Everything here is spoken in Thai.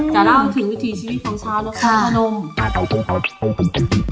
จะเล่าถึงวิถีชีวิตของชาวและข้อพนม